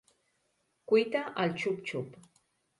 Cuita al xup xup.